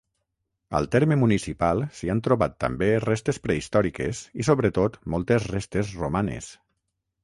Al terme municipal s'hi han trobat també restes prehistòriques i sobretot moltes restes romanes.